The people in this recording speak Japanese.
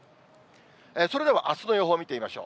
それではあすの予報を見てみましょう。